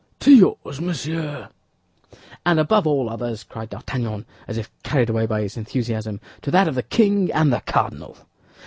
"To yours, monsieur." "And above all others," cried D'Artagnan, as if carried away by his enthusiasm, "to that of the king and the cardinal."